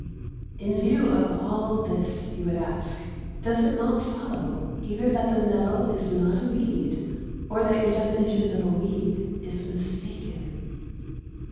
In view of all this," he would ask, "does it not follow either that the nettle is not a weed or that your definition of a weed is mistaken?"